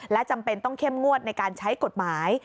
และจำเป็นต้องเข้มงวดในการใช้กฎหมาย